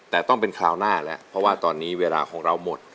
แต่ต้องเป็นคราวหน้าแล้วเพราะว่าตอนนี้เวลาของเราหมด